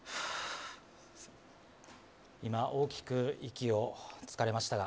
今、大きく息をつかれましたが。